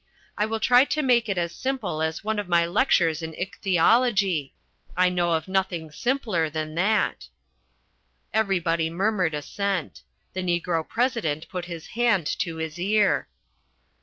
I will try to make it as simple as one of my lectures in Ichthyology. I know of nothing simpler than that." Everybody murmured assent. The Negro President put his hand to his ear.